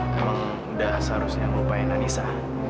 memang udah seharusnya ngelupain anissa